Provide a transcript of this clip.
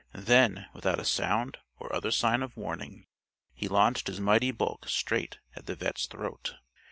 Then, without a sound or other sign of warning, he launched his mighty bulk straight at the vet's throat.